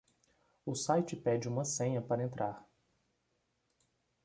O site pede uma senha pra entrar.